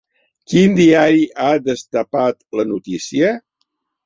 Quin diari ha destapat la notícia?